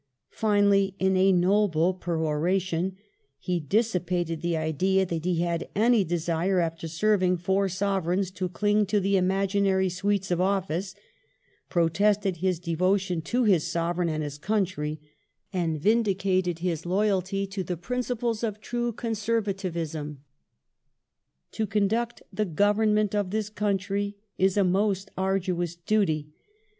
Finally, in a noble perora tion, he dissipated the idea that he had any desire after serving four Sovereigns to cling to the imaginary " sweets " of office, pro tested his devotion to his Sovereign and his country, and vindicated his loyalty to the principles of true Conservatism. "To conduct the Government of this country is a most arduous duty.